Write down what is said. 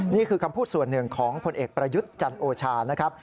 นี่คือคำพูดส่วนหนึ่งของผลเอกประยุทธ์จันโอชานะครับ